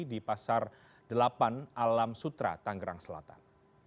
di pasar delapan alam sutra tanggerang selatan